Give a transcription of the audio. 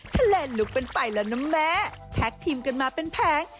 ทะเลลุกกันไปแล้วนะแม่แท็กทีมกันมาเป็นแผง